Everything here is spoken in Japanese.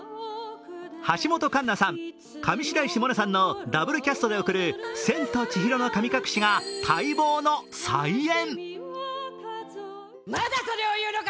橋本環奈さん、上白石萌音さんのダブルキャストで送る「千と千尋の神隠し」が待望の再演。